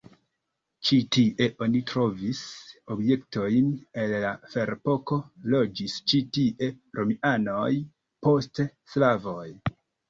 Ĉi tie oni trovis objektojn el la ferepoko, loĝis ĉi tie romianoj, poste slavoj.